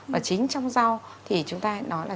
và chính trong rau thì chúng ta nói là